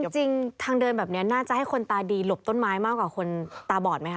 จริงทางเดินแบบนี้น่าจะให้คนตาดีหลบต้นไม้มากกว่าคนตาบอดไหมค